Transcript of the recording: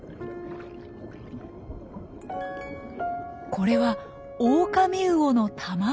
これはオオカミウオの卵。